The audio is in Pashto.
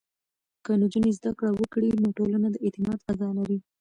که نجونې زده کړه وکړي، نو ټولنه د اعتماد فضا لري.